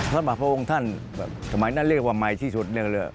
สมบัติพระองค์ท่านทำไมนั่นเรียกว่าใหม่ที่สุด